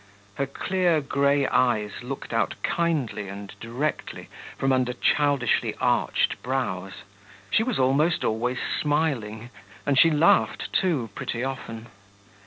Her clear grey eyes looked out kindly and directly from under childishly arched brows; she was almost always smiling, and she laughed too, pretty often.